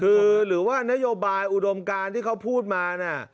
คือหรือว่านโยบายอุดมการที่เขาพูดมาเนี่ย